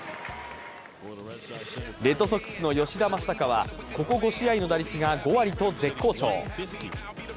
レッドソックスの吉田正尚はここ５試合の打率が５割と絶好調。